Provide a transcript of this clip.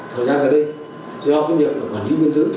thời gian này do công nghiệp quản lý biên giới chặt chẽ